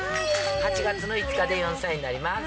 ８月の５日で４歳になります。